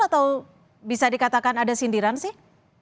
atau bisa dikatakan ada sindiran sih